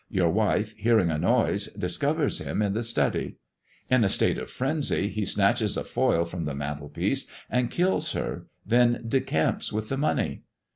Your wife, hearing a noise, iiscovers him in the study. In a state of frenzy, he snatches a foil from the mantelpiece and kills her, then iecamps with the money.